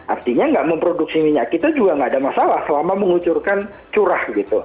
artinya tidak memproduksi minyak kita juga tidak ada masalah selama mengucurkan curah